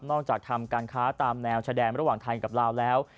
นอกจากทำการค้าตามแนวแชดงระหว่างไทยกับลาวแล้ว